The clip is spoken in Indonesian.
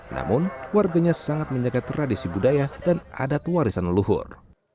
namun warganya sangat menjaga tradisi budaya dan adat warisan leluhur